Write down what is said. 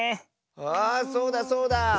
あそうだそうだ！